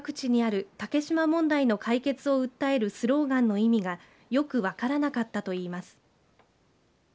地元を含め各地にある竹島問題の解決を訴えるスローガンの意味がよく分からなかったといいます。